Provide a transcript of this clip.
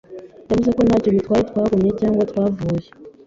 Yavuze ko ntacyo bitwaye twagumye cyangwa twavuye.